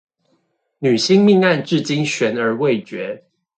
女星命案至今懸而未決